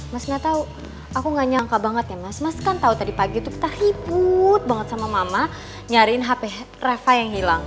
mas gak tahu aku gak nyangka banget ya mas mas kan tahu tadi pagi itu kita hiput banget sama mama nyariin hp reva yang hilang